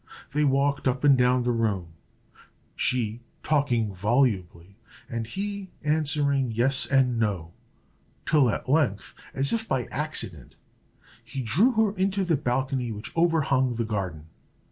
They walked up and down the room, she talking volubly, and he answering yes and no, till at length, as if by accident, he drew her into the balcony which overhung the garden.